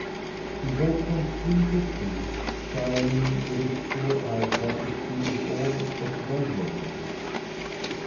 He walked from tree to tree, trying with his poor eyesight to see if all was well with them.